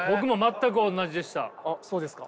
あっそうですか。